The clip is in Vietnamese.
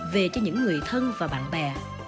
về cho những người thân và bạn bè